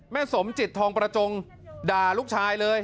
สมจิตทองประจงด่าลูกชายเลย